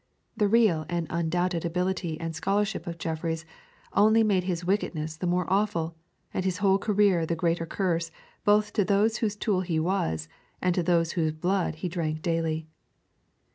The real and undoubted ability and scholarship of Jeffreys only made his wickedness the more awful, and his whole career the greater curse both to those whose tool he was, and to those whose blood he drank daily.